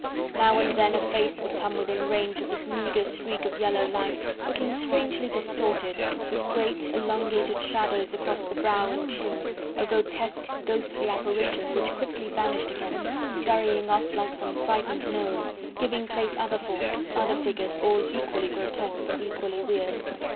Now and then a face would come within range of this meagre streak of yellow light, looking strangely distorted, with great, elongated shadows across the brow and chin, a grotesque, ghostly apparition which quickly vanished again, scurrying off like some frightened gnome, giving place other forms, other figures all equally grotesque and equally weird.